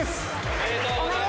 おめでとうございます。